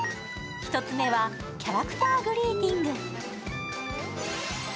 １つ目はキャラクターグリーティング。